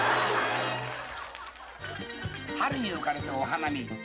［春に浮かれてお花見］